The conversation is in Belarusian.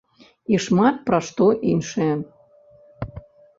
І шмат пра што іншае.